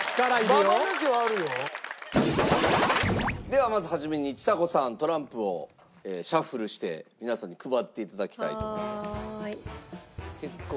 ではまず始めにちさ子さんトランプをシャッフルして皆さんに配って頂きたいと思います。